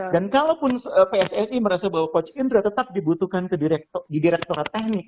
dan kalaupun pssi merasa bahwa koci indra tetap dibutuhkan di direktur teknik